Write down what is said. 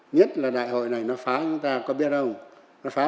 nhất là đại hội này nó phá người ta có biết không nó phá gì